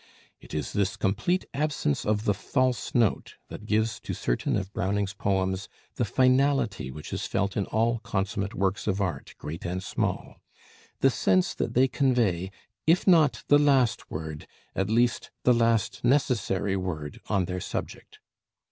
It is this complete absence of the false note that gives to certain of Browning's poems the finality which is felt in all consummate works of art, great and small; the sense that they convey, if not the last word, at least the last necessary word, on their subject.